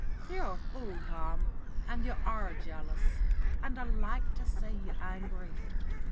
You're a fool, Tom, and you are jealous. And I like to see you angry.